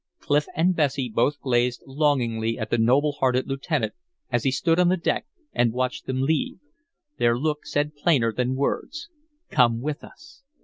Clif and Bessie both gazed longingly at the noble hearted lieutenant as he stood on the deck and watched them leave. Their look said plainer than words, "Come with us!"